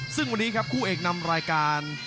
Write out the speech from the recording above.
ซึ่งวันนี้ครับคู่เอกนำรายการ